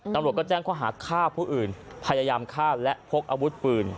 ตำรวจก็แจ้งข้อหาฆ่าผู้อื่นพยายามฆ่าและพกอาวุธปืน